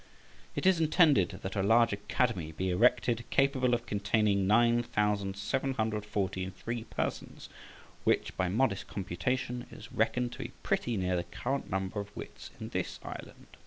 It is intended that a large Academy be erected, capable of containing nine thousand seven hundred forty and three persons, which, by modest computation, is reckoned to be pretty near the current number of wits in this island .